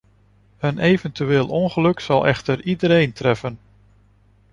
Een eventueel ongeluk zal echter iedereen treffen.